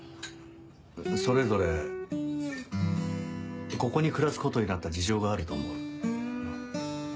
それぞれここに暮らすことになった事情があると思う。